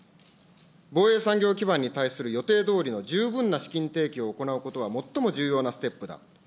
防衛産業基盤に対する予定どおりの十分な資金提供を行うことは、最も重要なステップだ。